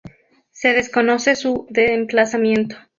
Se desconoce su emplazamiento.